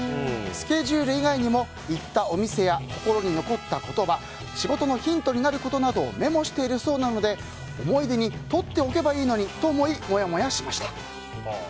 スケジュール以外にも行ったお店や心に残った言葉仕事のヒントになることなどをメモしているそうなので思い出にとっておけばいいのにと思いもやもやしました。